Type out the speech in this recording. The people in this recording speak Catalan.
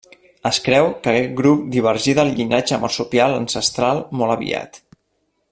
Es creu que aquest grup divergí del llinatge marsupial ancestral molt aviat.